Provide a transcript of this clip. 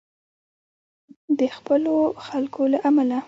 د خپلو خلکو له امله.